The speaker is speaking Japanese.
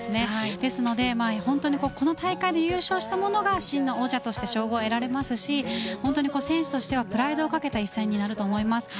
ですので、本当にこの大会で優勝した者が真の王者として称号を得られますし選手としてはプライドを懸けた一戦になると思います。